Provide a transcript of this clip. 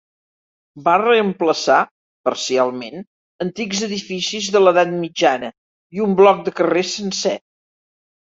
Va reemplaçar, parcialment, antics edificis de l'edat mitjana i un bloc de carrers sencer.